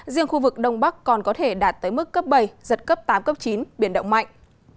riêng khu vực đông bắc còn có thể đạt tới mức cấp bảy giật cấp tám cấp chín biển động mạnh